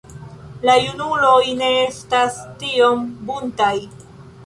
La junuloj ne estas tiom buntaj.